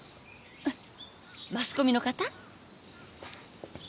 マスコミの方？